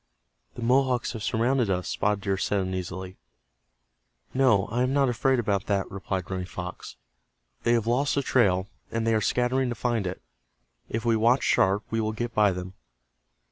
"The Mohawks have surrounded us," Spotted Deer said, uneasily. "No, I am not afraid about that," replied Running Fox. "They have lost the trail, and they are scattering to find it. If we watch sharp we will get by them."